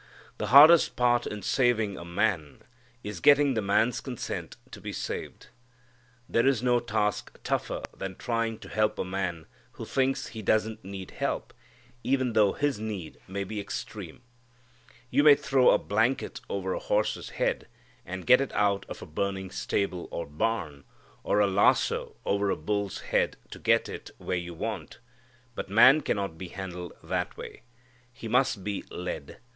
The hardest part in saving a man is getting the man's consent to be saved. There is no task tougher than trying to help a man who thinks he doesn't need help, even though his need may be extreme. You may throw a blanket over a horse's head and get it out of a burning stable or barn; or a lasso over a bull's head to get it where you want, but man cannot be handled that way. He must be led.